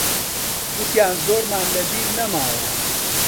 گوتیان زۆرمان لەبیر نەماوە.